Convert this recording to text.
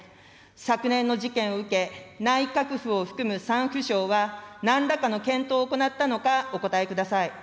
昨年の事件を受け、内閣府を含む３府省は、なんらかの検討を行ったのかお答えください。